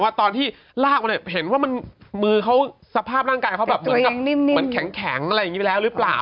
ตอนที่ลากมาเนี่ยเห็นว่ามือเขาสภาพร่างกายเขาแบบเหมือนแข็งอะไรอย่างนี้ไปแล้วหรือเปล่า